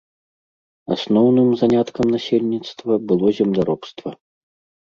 Асноўным заняткам насельніцтва было земляробства.